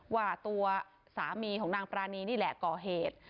ว่าตัวสามีของนางปรานีนี่แหละก่อเหตุ